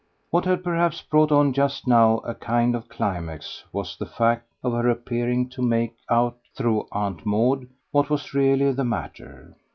What had perhaps brought on just now a kind of climax was the fact of her appearing to make out, through Aunt Maud, what was really the matter.